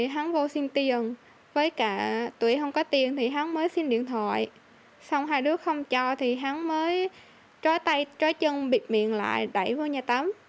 hắn mới chói tay chói chân bịt miệng lại đẩy vào nhà tắm